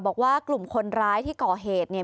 บอกว่ากลุ่มคนร้ายที่ก่อเหตุเนี่ย